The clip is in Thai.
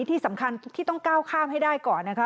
ที่สำคัญที่ต้องก้าวข้ามให้ได้ก่อนนะคะ